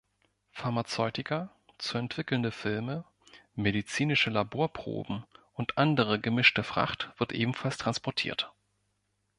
Pharmazeutika, zu entwickelnde Filme, medizinische Laborproben und andere gemischte Fracht wird ebenfalls transportiert.